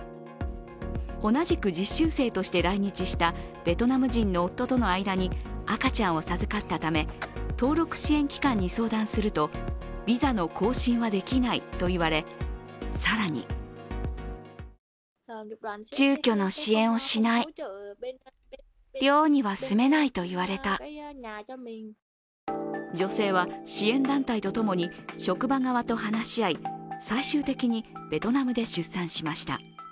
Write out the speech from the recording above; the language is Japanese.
同じく実習生として来日したベトナム人の夫との間に赤ちゃんを授かったため、登録支援機関に相談するとビザの更新はできないと言われ更に女性は支援団体と共に職場側と話し合い、最終的にベトナムで出産しました。